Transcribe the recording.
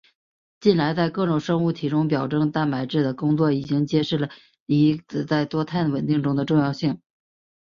近来在各种生物体中表征蛋白质的工作已经揭示了锌离子在多肽稳定中的重要性。